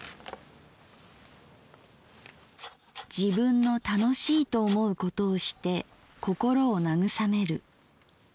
「自分の楽しいと思うことをして心を慰める。